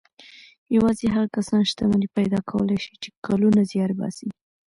يوازې هغه کسان شتمني پيدا کولای شي چې کلونه زيار باسي.